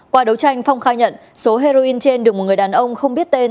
qua đấu tranh phong khai nhận số heroin trên được một người đàn ông không biết tên